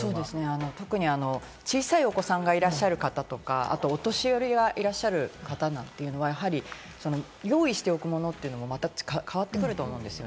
特に小さいお子さんがいらっしゃる方や、お年寄りがいらっしゃる方なんて、やはり用意しておくものって、また変わってくると思うんですよ。